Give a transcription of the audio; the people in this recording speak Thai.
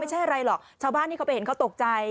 ไม่ใช่อะไรหรอกชาวบ้านที่เขาไปเห็นเขาตกใจ